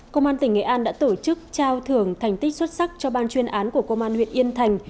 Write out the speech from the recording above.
công an tỉnh nghệ an đã tổ chức trao thưởng thành tích xuất sắc cho ban chuyên án của công an huyện yên thành